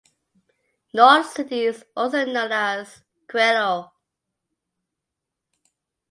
North City is also known as "Coello".